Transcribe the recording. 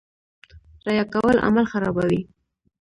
ریا کول عمل خرابوي